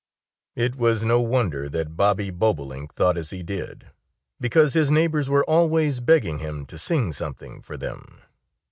It was no wonder that Bobby Bobolink thought as he did, because his neighbors were always begging him to sing something for them.